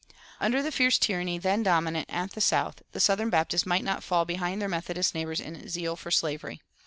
Under the fierce tyranny then dominant at the South the southern Baptists might not fall behind their Methodist neighbors in zeal for slavery.